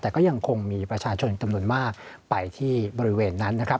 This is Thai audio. แต่ก็ยังคงมีประชาชนจำนวนมากไปที่บริเวณนั้นนะครับ